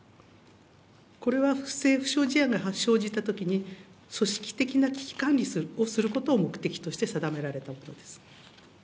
これは不正不祥事案が生じたときに、組織的な危機管理をすることを目的として定められたものです。